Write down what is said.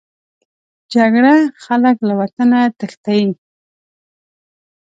جګړه خلک له وطنه تښتي